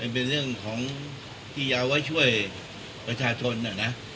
เป็นเรื่องที่เอาไว้ช่วย๓๐ซัลลูกเนวเทรอะนะ